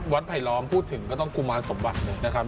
ไผลล้อมพูดถึงก็ต้องกุมารสมบัติเลยนะครับ